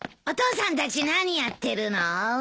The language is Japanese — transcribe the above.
お父さんたち何やってるの？